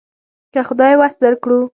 که خدای وس درکړو.